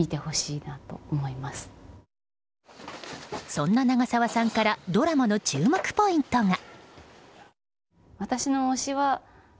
そんな長澤さんからドラマの注目ポイントが。